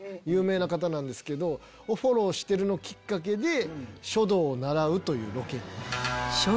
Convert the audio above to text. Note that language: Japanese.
有名な方なんですけどフォローしてるのきっかけで書道を習うというロケに。